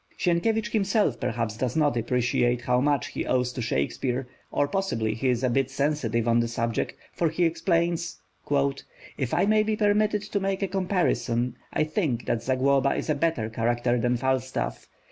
Sienkiewicz himself perhaps does not appreciate how much he owes to Shakespeare, or possibly he is a bit sensitive on the subject, for he explains, "If I may be permitted to make a comparison, I think that Zagloba is a better character than Falstaff.